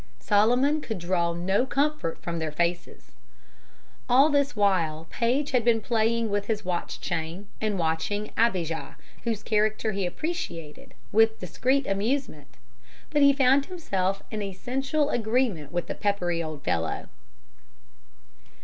Solomon could draw no comfort from their faces. All this while Paige had been playing with his watch chain and watching Abijah, whose character he appreciated, with discreet amusement; but he found himself in essential agreement with the peppery old fellow.